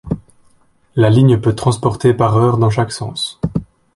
La ligne peut transporter par heure dans chaque sens.